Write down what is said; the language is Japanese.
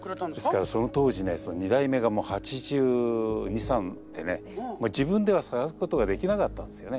ですからその当時ねその２代目がもう８２８３でね自分では探すことができなかったんですよね。